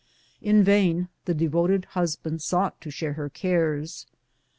In vain the devoted husband sought to share her cares.